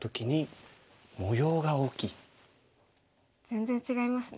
全然違いますね。